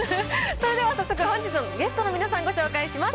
それでは早速、本日のゲストの皆さん、ご紹介します。